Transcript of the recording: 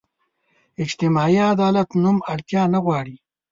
اجتماعي عدالت نوم اړتیا نه غواړو.